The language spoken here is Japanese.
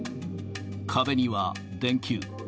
壁には電球。